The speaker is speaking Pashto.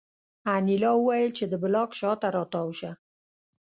انیلا وویل چې د بلاک شا ته را تاو شه